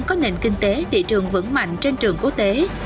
có nền kinh tế thị trường vững mạnh trên trường quốc tế